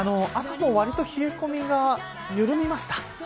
朝もわりと冷え込みが緩みました。